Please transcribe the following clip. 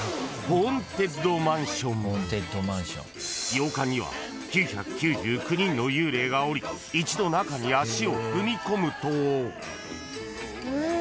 ［洋館には９９９人の幽霊がおり一度中に足を踏み込むと］